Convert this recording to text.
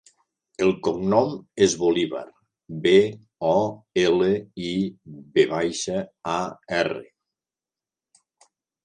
El cognom és Bolivar: be, o, ela, i, ve baixa, a, erra.